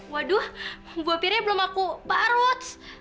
waduh buah piringnya belum aku parut